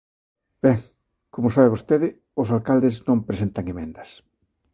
Ben, como sabe vostede, os alcaldes non presentan emendas.